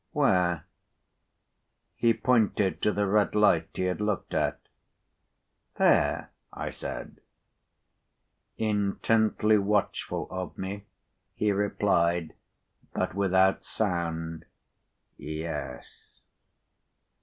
"Where?" He pointed to the red light he had looked at. "There?" I said. Intently watchful of me, he replied (but without sound), "Yes."